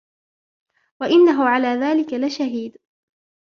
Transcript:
وَإِنَّهُ عَلَى ذَلِكَ لَشَهِيدٌ